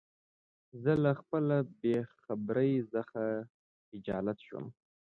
زه له خپله بېخبری څخه خجالت شوم.